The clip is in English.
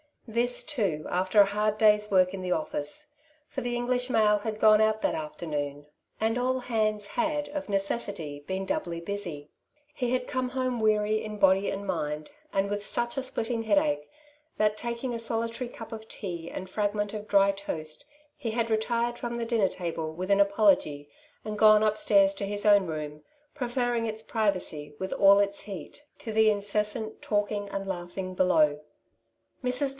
This, too, after a hard day's work in the office — for the English mail had gone out that afternoon, and all hands had, of necessity, been doubly busy. He had come home weary in body and mind, and with such a splitting headache, that, taking a solitary cup of tea and fragment of dry toast, he had retired from the dinner table with an apology, and gone upstairs to his own room, preferring its privacy, with all its heat, to the incessant talking and laugh * F 2 68 " Two Sides to every Question. ing below. Mrs.